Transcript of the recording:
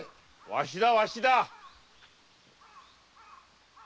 わしだわしだ！